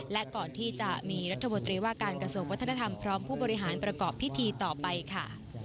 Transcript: และก่อนที่จะมีรัฐมนตรีว่าการกระทรวงวัฒนธรรมพร้อมผู้บริหารประกอบพิธีต่อไปค่ะ